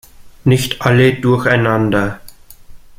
Nicht alle durcheinander!